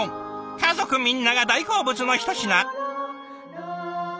家族みんなが大好物のひと品。